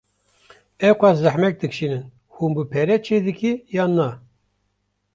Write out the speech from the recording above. Ewqas zehmet dikşînin hûn bi pere çê dikî yan na?